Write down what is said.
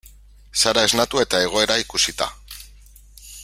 Sara esnatu eta egoera ikusita.